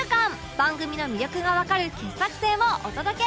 番組の魅力がわかる傑作選をお届け